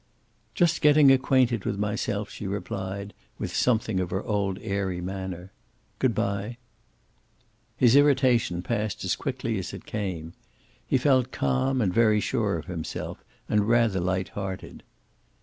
"Just getting acquainted with myself," she replied, with something of her old airy manner. "Good by." His irritation passed as quickly as it came. He felt calm and very sure of himself, and rather light hearted.